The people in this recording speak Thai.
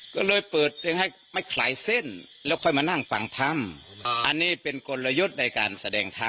ก็เลยเปิดเพลงให้ไม่คลายเส้นแล้วค่อยมานั่งฟังธรรมอันนี้เป็นกลยุทธ์ในการแสดงธรรม